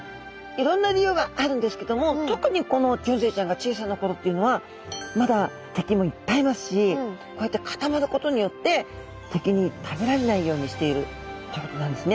いろんな理由があるんですけども特にこのギョンズイちゃんが小さな頃っていうのはまだ敵もいっぱいいますしこうやって固まることによって敵に食べられないようにしているっていうことなんですね。